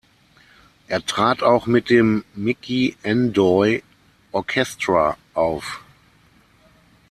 Er trat auch mit dem "Miki N’Doye Orchestra" auf.